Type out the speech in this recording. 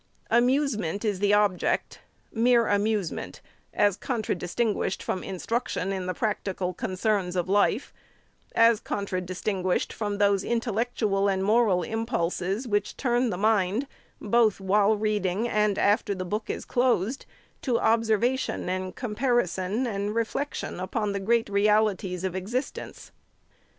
Amusement is the object, — mere amusement, as contradistinguished from instruction, in the practical con cerns of life ; as contradistinguished from those intellectual and moral im pulses, which turn the mind, both while reading and after the book is closed , to observation, and comparison, and reflection upon the great realities of existence.